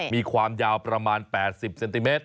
มีความยาวประมาณ๘๐เซนติเมตร